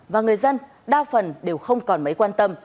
và người dân đa phần đều không còn mấy quan tâm